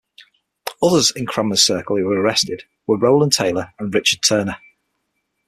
Others in Cranmer's circle who were arrested were Rowland Taylor and Richard Turner.